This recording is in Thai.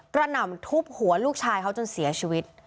หน่ำทุบหัวลูกชายเขาจนเสียชีวิต